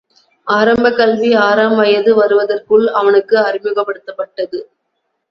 ஆரம்பக்கல்வி ஆறாம் வயது வருவதற்குள் அவனுக்கு அறிமுகப்படுத்தப்பட்டது.